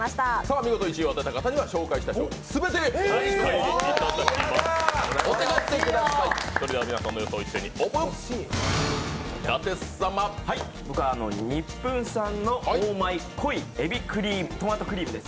見事１位を当てた方には紹介した商品全てをお持ち帰りいただきます。